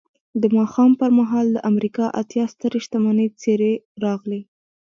د ماښام پر مهال د امریکا اتیا سترې شتمنې څېرې راغلې